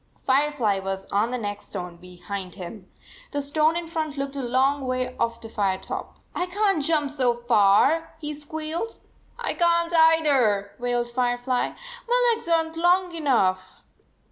75 Firefly was on the next stone behind him. The stone in front looked a long way off to Firetop. " I can t jump so far," he squealed. " I can t either," wailed Firefly. " My legs are n t long enough."